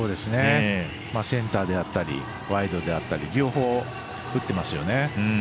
センターであったりワイドであったり両方打っていますよね。